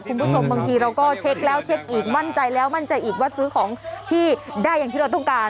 คุณผู้ชมบางทีเราก็เช็คแล้วเช็คอีกมั่นใจแล้วมั่นใจอีกว่าซื้อของที่ได้อย่างที่เราต้องการ